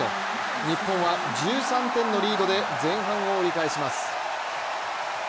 日本は１３点のリードで前半を折り返します。